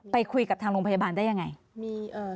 ไปคุยกับทางโรงพยาบาลได้ยังไง